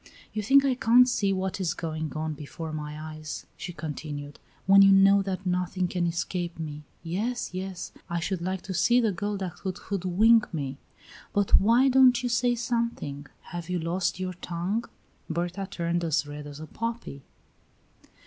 "You think I can't see what is going on before my eyes," she continued, "when you know that nothing can escape me. Yes, yes. I should like to see the girl that could hoodwink me! But why don't you say something? Have you lost your tongue?" Berta turned as red as a poppy.